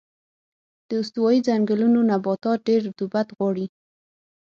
د استوایي ځنګلونو نباتات ډېر رطوبت غواړي.